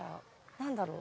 何だろう？